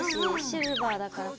シルバーだから。